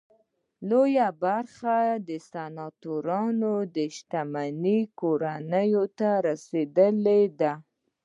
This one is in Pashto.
لویه برخه د سناتوریال شتمنۍ کورنۍ ته ورسېده.